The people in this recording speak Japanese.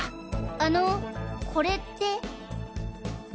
あのこれって？